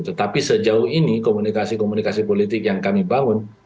tetapi sejauh ini komunikasi komunikasi politik yang kami bangun